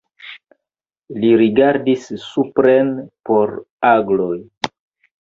Li rigardis supren por agloj.